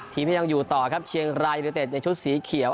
ทีมยังอยู่ต่อครับเชียงรายอยู่ในชุดสีเขียว